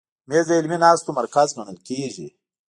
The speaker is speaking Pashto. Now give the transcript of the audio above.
مېز د علمي ناستو مرکز ګڼل کېږي.